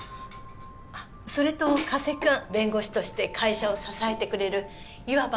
あっそれと加瀬君弁護士として会社を支えてくれるいわば